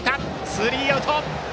スリーアウト！